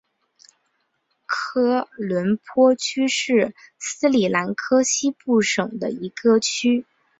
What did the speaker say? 科伦坡区是斯里兰卡西部省的一个区。